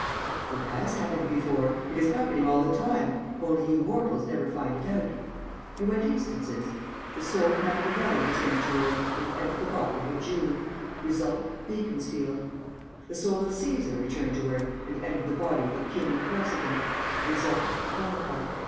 "It has happened before. It is happening all the time, only you mortals never find it out. You want instances? The soul of Macchiavelli returned to earth and entered the body of a Jew; result, Beaconsfield. The soul of Cæsar returned to earth and entered the body of a puny Corsican; result, Bonaparte.